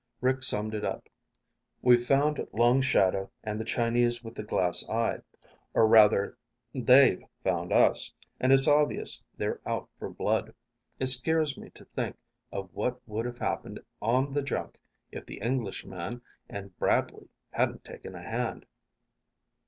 Rick summed it up. "We've found Long Shadow and the Chinese with the glass eye. Or rather they've found us. And it's obvious they're out for blood. It scares me to think of what would have happened on the junk if the Englishman and Bradley hadn't taken a hand."